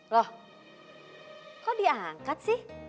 loh kok diangkat sih